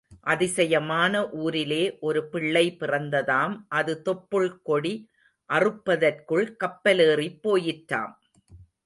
அதிசயமான ஊரிலே ஒரு பிள்ளை பிறந்ததாம் அது தொப்புள் கொடி அறுப்பதற்குள் கப்பல் ஏறிப் போயிற்றாம்.